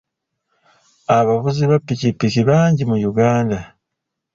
Abavuzi ba ppikippiki bangi mu Uganda.